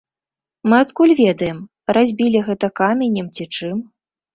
Мы адкуль ведаем, разбілі гэта каменем ці чым?